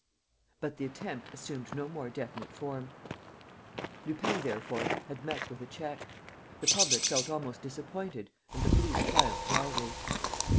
But the attempt assumed no more definite form. Lupin, therefore, had met with a check. The public felt almost disappointed and the police triumphed loudly.